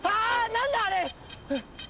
何だあれ！